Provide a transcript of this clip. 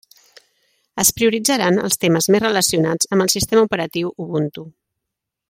Es prioritzaran els temes més relacionats amb el sistema operatiu Ubuntu.